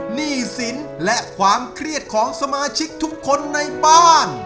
หนี้สินและความเครียดของสมาชิกทุกคนในบ้าน